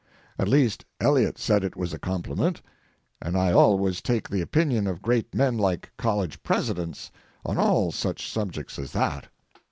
At least, Eliot said it was a compliment, and I always take the opinion of great men like college presidents on all such subjects as that.